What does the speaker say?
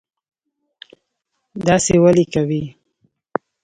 داسی ولې کوي